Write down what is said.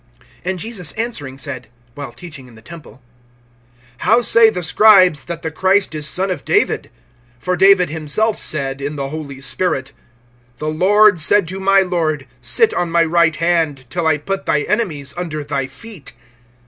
(35)And Jesus answering said, while teaching in the temple: How say the scribes that the Christ is son of David? (36)For David himself said, in the Holy Spirit: The LORD said to my Lord, Sit on my right hand, Till I put thy enemies under thy feet.